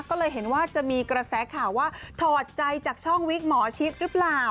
ก็เลยเห็นว่าจะมีกระแสข่าวว่าถอดใจจากช่องวิกหมอชิดหรือเปล่า